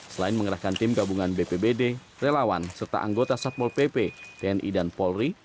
selain mengerahkan tim gabungan bpbd relawan serta anggota satpol pp tni dan polri